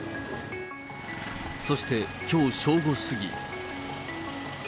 そしてきょう正午過ぎ。